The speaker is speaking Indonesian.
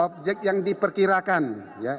objek yang diperkirakan ya